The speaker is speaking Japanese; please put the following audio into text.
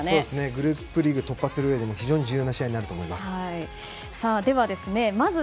グループリーグを突破するうえでも非常に重要な試合になると思います。